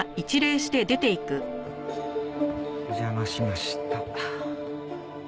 お邪魔しました。